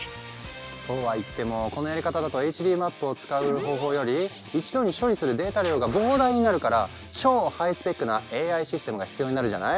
そうは言ってもこのやり方だとＨＤマップを使う方法より一度に処理するデータ量が膨大になるから超ハイスペックなＡＩシステムが必要になるじゃない？